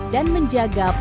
dan menjaga keamanan